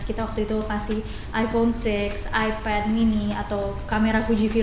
kita waktu itu kasih iphone enam ipad mini atau kamera fujifilm